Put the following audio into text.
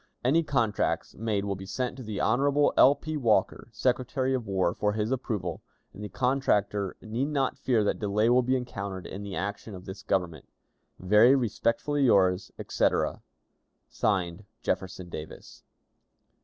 Any contracts made will be sent to the Hon. L. P. Walker, Secretary of War, for his approval; and the contractor need not fear that delay will be encountered in the action of this Government. "Very respectfully yours, etc., (Signed) "Jefferson Davis."